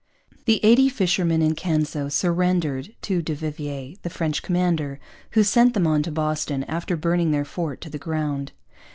The eighty fishermen in Canso surrendered to du Vivier, the French commander, who sent them on to Boston, after burning their fort to the ground.